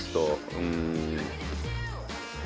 うん。